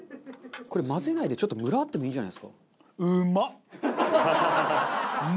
これ混ぜないでムラあってもいいんじゃないですか？